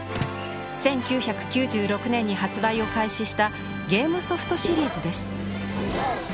１９９６年に発売を開始したゲームソフトシリーズです。